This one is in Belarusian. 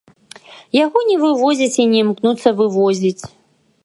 Яго не вывозяць, і не імкнуцца вывозіць.